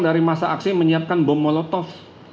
dari masa aksi menyiapkan bom molotov